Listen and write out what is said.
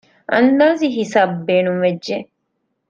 އަންދާސީ ހިސަބު ބޭނުންވެއްޖެ